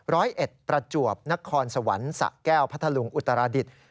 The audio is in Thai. ร้อยเอ็ดประจวบนครสวรรค์สะแก้วพัทธลุงอุตราดิษฐ์